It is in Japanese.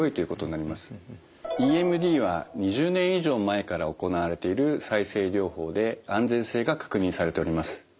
ＥＭＤは２０年以上前から行われている再生療法で安全性が確認されております。